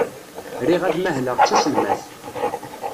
Riɣ ad mahleɣ d taselmadt.